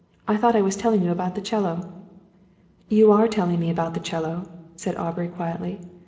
I thought I was telling you about the 'cello." "You are telling me about the 'cello," said Aubrey, quietly.